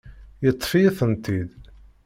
Yeṭṭef-iyi-tent-id.